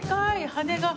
羽が！